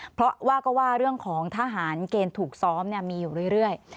เพราะว่าก็ว่าเรื่องของทหารเกณฑ์ถูกซ้อมมีอยู่เรื่อย